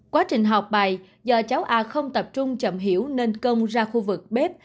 quá trình học bài do cháu a không tập trung chậm hiểu nên công ra khu vực bếp